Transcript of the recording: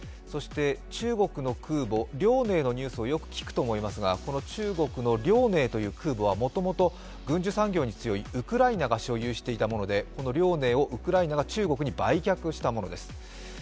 そして中国空母「遼寧」のニュースをよく聞くと思いますが、中国の「遼寧」というものはもともと軍需産業に強いウクライナが所有していたもので「遼寧」はウクライナが中国に売却したものです。